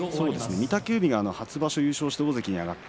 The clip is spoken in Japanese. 御嶽海が初場所優勝して大関が勝った